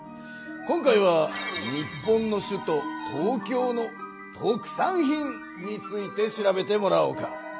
今回は日本の首都東京の特産品について調べてもらおうか。